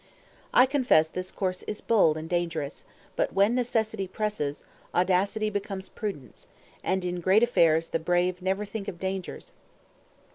I confess this course is bold and dangerous, but when necessity presses, audacity becomes prudence, and in great affairs the brave never think of dangers.